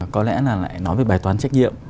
có lẽ là lại nói về bài toán trách nhiệm